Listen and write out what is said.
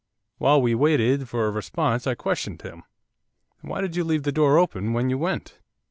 While we waited for a response I questioned him. 'Why did you leave the door open when you went?